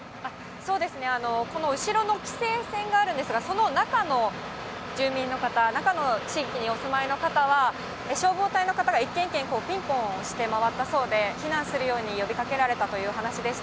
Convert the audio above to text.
そうですね、この後ろの規制線があるんですが、その中の住民の方、中の地域にお住まいの方は、消防隊の方が一軒一軒、ピンポンを押して回ったそうで、避難するように呼びかけられたというお話でした。